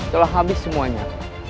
telah habis semuanya